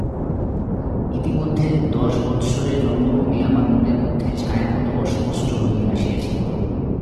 ইতিমধ্যে দশবৎসরে জন্মভূমি আমার মনের মধ্যে ছায়ার মতো অস্পষ্ট হইয়া আসিয়াছিল।